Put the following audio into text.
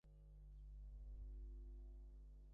কারণ আমি উহা প্রত্যক্ষ দেখিতেছি।